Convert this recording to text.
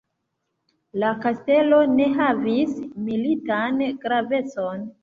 La kastelo ne havis militan gravecon.